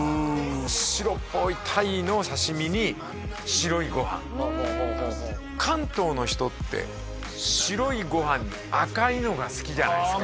白っぽいタイの刺身に白いご飯関東の人って白いご飯に赤いのが好きじゃないですか